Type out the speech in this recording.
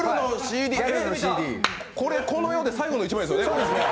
これ、この世で最後の１枚ですよね。